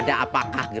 masih obama ada